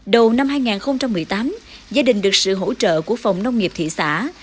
đầu năm hai nghìn một mươi tám gia đình được sự hỗ trợ của phòng nông nghiệp thị xã